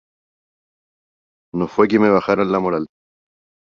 No fue que me bajaran la moral.